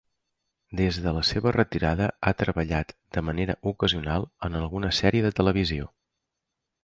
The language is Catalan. Des de la seva retirada, ha treballat de manera ocasional en alguna sèrie de televisió.